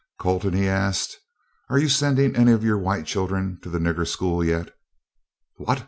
"Colton," he asked, "are you sending any of your white children to the nigger school yet?" "What!"